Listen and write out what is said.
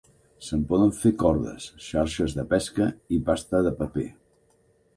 Se'n poden fer cordes, xarxes de pesca i pasta de paper.